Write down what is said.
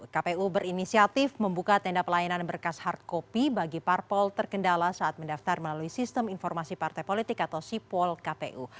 kpu berinisiatif membuka tenda pelayanan berkas hard copy bagi parpol terkendala saat mendaftar melalui sistem informasi partai politik atau sipol kpu